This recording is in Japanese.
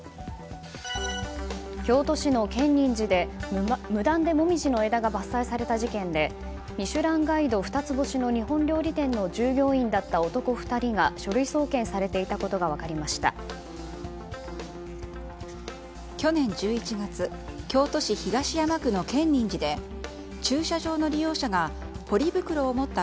京都市の建仁寺で無断でモミジの枝が伐採された事件で「ミシュランガイド」二つ星の日本料理店の従業員だった男２人が書類送検されていたことが分かりました。